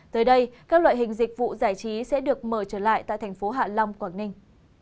tới đây các loại hình dịch vụ giải trí sẽ được mở trở lại tại thành phố hạ long quảng ninh